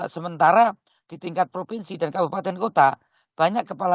sementara di tingkat provinsi dan kabupaten kota banyak kepala